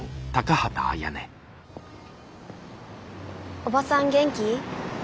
おばさん元気？